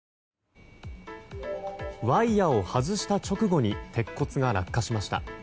ワイヤを外した直後に鉄骨が落下しました。